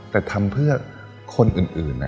แต่ทำเพื่อคนอื่นนะ